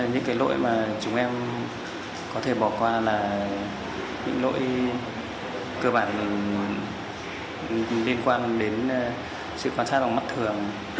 những cái lỗi mà chúng em có thể bỏ qua là những lỗi cơ bản liên quan đến sự quan sát bằng mắt thường